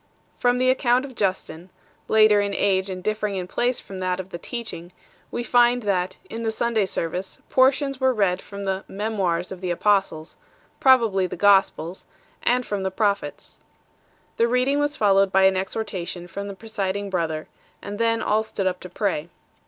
From the account of Justin 1 , later in age and differing in place from that of the Teaching, we find that, in the Sunday service, jmrtipns were read from the " Memoirs of the Apostles " probably the ""Gospels and from the Prophets. The reading was followed by an exhortation from the presiding brother, and then all stood up to pray.